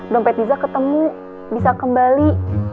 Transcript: dompet bisa ketemu bisa kembali